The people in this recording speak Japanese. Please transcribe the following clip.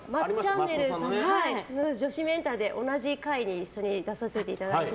「女子メンタル」で同じ回に出させていただいて。